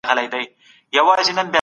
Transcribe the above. هر نیم ساعت کې د حرکت یادونه ګټوره ده.